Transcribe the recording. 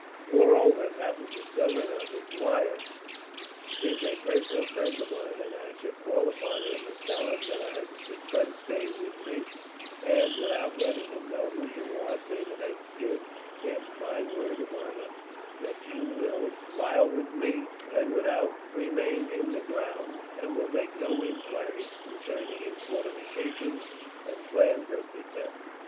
"Moreover, it happens that Governor Maguire is a personal friend of mine, and I shall call upon him and tell him that I have a sick friend staying with me and, without letting him know who you are, say that I give him my word of honour that you will, while with me, remain in the grounds, and will make no inquiries concerning his fortifications and plans of defence.